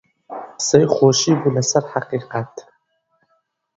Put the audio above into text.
قسەی خۆشی بوو لەسەر حەقیقەت